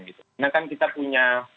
karena kan kita punya